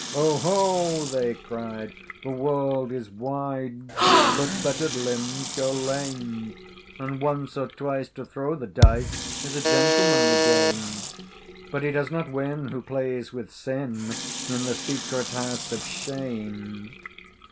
"Oho!" they cried, "The world is wide, But fettered limbs go lame! And once, or twice, to throw the dice Is a gentlemanly game, But he does not win who plays with Sin In the secret House of Shame."